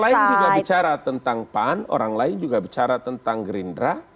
selain juga bicara tentang pan orang lain juga bicara tentang gerindra